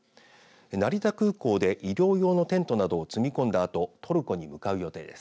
成田空港で医療用のテントなどを積み込んだあとトルコに向かう予定です。